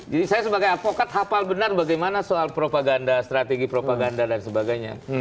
jadi saya sebagai avokat hafal benar bagaimana soal propaganda strategi propaganda dan sebagainya